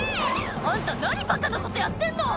「あんた何バカなことやってんの！」